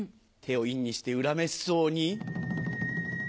手を陰にして恨めしそうに。